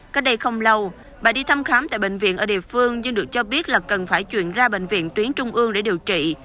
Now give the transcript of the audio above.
cách đây không lâu bà đi thăm khám tại bệnh viện ở địa phương nhưng được cho biết là cần phải chuyển ra bệnh viện tuyến trung ương để điều trị